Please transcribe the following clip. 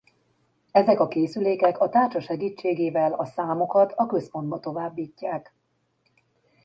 Ezek a készülékek a tárcsa segítségével a számokat a központba továbbítják.